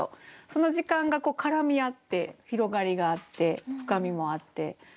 その時間が絡み合って広がりがあって深みもあっていいなと思いました。